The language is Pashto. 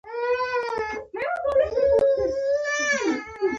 بل یې هلک ته ورکړ